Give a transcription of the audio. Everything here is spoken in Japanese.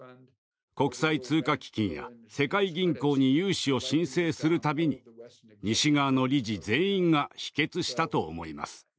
国際通貨基金や世界銀行に融資を申請するたびに西側の理事全員が否決したと思います。